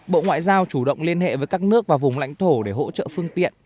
bộ ngoại giao chủ động liên hệ với các nước và vùng lãnh thổ để hỗ trợ phương tiện